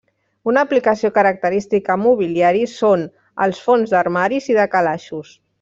Una aplicació característica en mobiliari són els fons d'armaris i de calaixos.